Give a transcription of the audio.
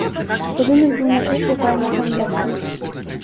Будынак быў накрыты вальмавым дахам.